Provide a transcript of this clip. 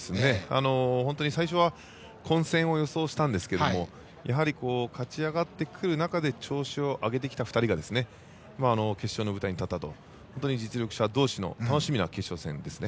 本当に最初は混戦を予想したんですがやはり勝ち上がってくる中で調子を上げてきた２人が決勝の舞台に立ったと実力者同士の楽しみな決勝戦ですね。